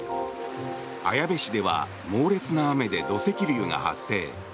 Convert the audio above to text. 綾部市では猛烈な雨で土石流が発生。